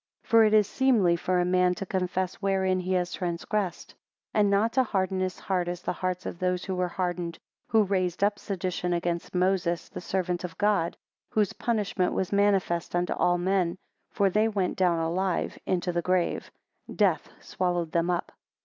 4 For it is seemly for a man to confess wherein he has transgressed. 5 And not to harden his heart, as the hearts of those were hardened, who raised up sedition against Moses the servant of God whose punishment was manifest unto all men, for they went down alive into the grave; death swallowed them up.